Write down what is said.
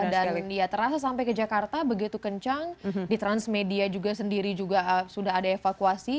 dan ya terasa sampai ke jakarta begitu kencang di transmedia juga sendiri juga sudah ada evakuasi